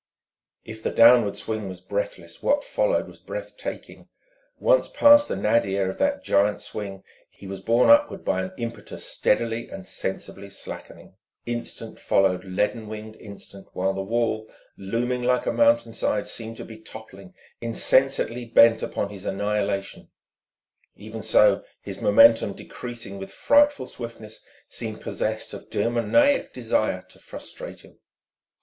If the downward sweep was breathless, what followed was breath taking: once past the nadir of that giant swing, he was borne upward by an impetus steadily and sensibly slackening. Instant followed leaden winged instant while the wall, looming like a mountainside, seemed to be toppling, insensately bent upon his annihilation; even so his momentum, decreasing with frightful swiftness, seemed possessed of demoniac desire to frustrate him.